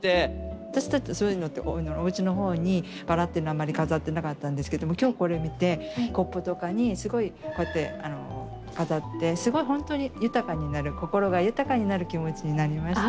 私たちそういうのっておうちのほうにバラっていうのはあんまり飾ってなかったんですけども今日これを見てコップとかにすごいこうやって飾ってすごい本当に豊かになる心が豊かになる気持ちになりました。